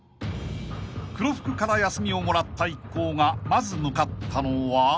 ［黒服から休みをもらった一行がまず向かったのは］